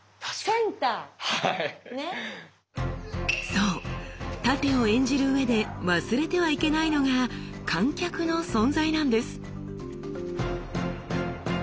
そう殺陣を演じるうえで忘れてはいけないのが観客の存在なんです。